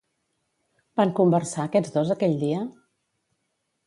Van conversar aquests dos aquell dia?